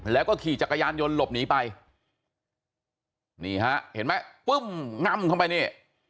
แล้วก็ขี่จักรยานยนต์หลบหนีไปนี่ฮะเห็นไหมปึ้มง่ำเข้าไปนี่